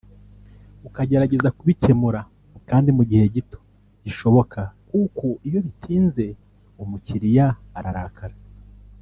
ukagerageza kubikemura kandi mu gihe gito gishoboka kuko iyo bitinze umukiriya ararakara